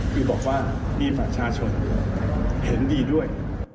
คือบอกว่ามีประชาชนเห็นดีด้วย